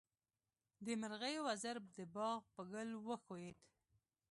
د مرغۍ وزر د باغ په ګل وښویېد.